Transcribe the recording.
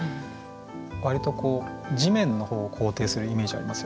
割とこう地面の方を肯定するイメージありますよね。